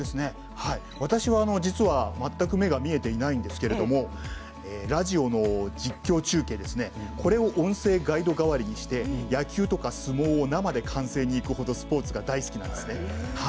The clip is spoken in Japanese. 私は全く目が見えていないんですけどラジオの実況中継をこれを音声ガイド代わりにして野球とか相撲を生で観戦するほど大好きなんですね。